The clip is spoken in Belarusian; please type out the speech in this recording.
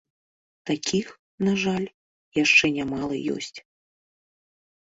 Такіх, на жаль, яшчэ нямала ёсць.